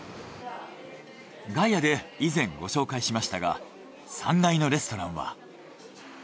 「ガイア」で以前ご紹介しましたが３階のレストランは。